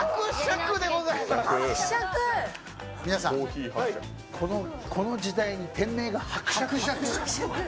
皆さん、この時代に店名が伯爵。